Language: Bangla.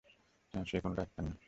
হ্যাঁ, সে কোনো ডাক্তার না।